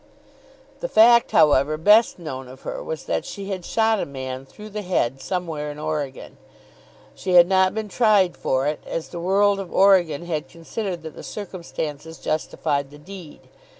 The fact, however, best known of her was, that she had shot a man through the head somewhere in Oregon. She had not been tried for it, as the world of Oregon had considered that the circumstances justified the deed.